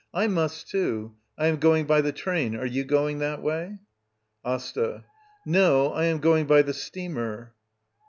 I must, too. I am going by the train. Are you gping that way? AsTA. No. I am going by the steamer.